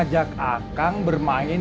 ngajak akang bermain